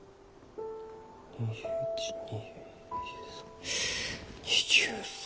２１２２２３。